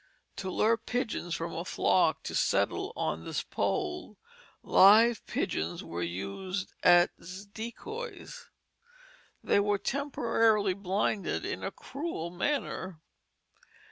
To lure pigeons from a flock to settle on this pole live pigeons were used as decoys. They were temporarily blinded in a cruel manner.